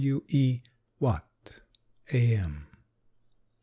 W. E. WATT, A. M.